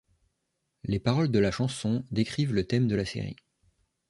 Les paroles de la chanson décrivent le thème de la série.